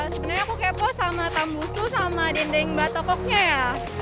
sebenarnya aku kepo sama tambusu sama dendeng batokoknya ya